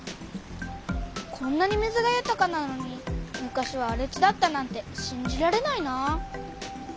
こんなに水がゆたかなのに昔はあれ地だったなんてしんじられないなあ。